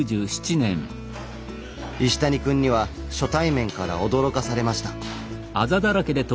石谷くんには初対面から驚かされました。